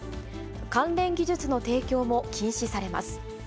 関連技術の提供も禁止されます。